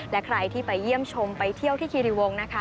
และใครที่ไปเยี่ยมชมไปเที่ยวที่คีรีวงนะคะ